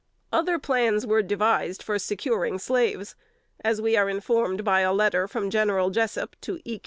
Other plans were devised for securing slaves, as we are informed by a letter from General Jessup to E.